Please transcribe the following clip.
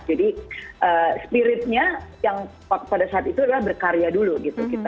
jadi spiritnya yang pada saat itu adalah berkarya dulu gitu